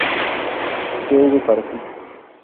yo hube partido